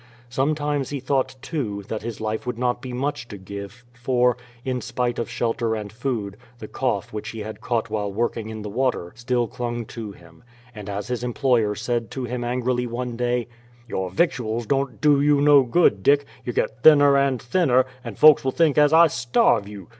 Sometimes he thought, too, that his life would not be much to give, for, in spite of shelter and food, the cough which he had caught while working in the water still clung to him, and as his employer said to him angrily one day: "Your victuals don't do you no good, Dick; you get thinner and thinner, and folks will think as I starve you.